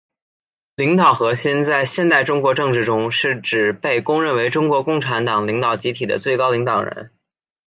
领导核心在现代中国政治中是指被公认为中国共产党领导集体的最高领导人。